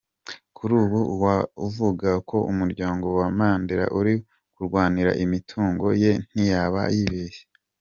Kuri ubu uwavuga ko umuryango wa Mandela uri kurwanira imitungo ye ntiyaba yibeshye.